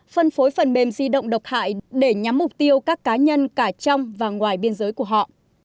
phân phối phần mềm di động độc hại để nhắm mục tiêu các cá nhân cả trong và ngoài biên giới của họ